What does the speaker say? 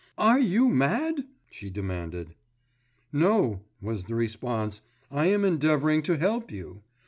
"Are you mad?" she demanded. "No," was the response. "I am endeavouring to help you.